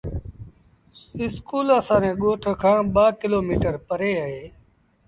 اسڪول اسآݩ ري ڳوٺ کآݩ ٻآ ڪلو ميٚٽر پري هُݩديٚ۔